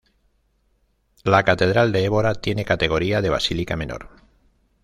La catedral de Évora tiene categoría de Basílica menor.